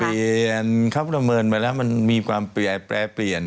เปลี่ยนครับประเมินมาแล้วมันมีความแปลเปลี่ยน